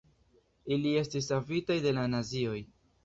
Ili estis savitaj de la nazioj.